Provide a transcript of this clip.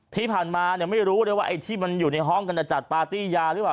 ที่ผ่านมาไม่รู้เลยว่าไอ้ที่มันอยู่ในห้องก็จะจัดปาร์ตี้ยาหรือเปล่า